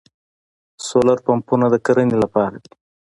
سولر پمپونه د کرنې لپاره دي.